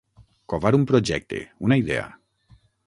Covar un projecte, una idea.